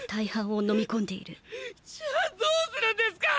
じゃあどうするんですか